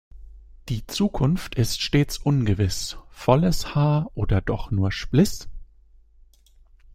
Die Zukunft ist stets ungewiss: Volles Haar oder doch nur Spliss?